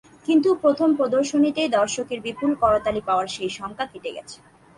কিন্তু প্রথম প্রদর্শনীতেই দর্শকের বিপুল করতালি পাওয়ায় সেই শঙ্কা কেটে গেছে।